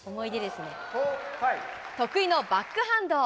得意のバックハンド。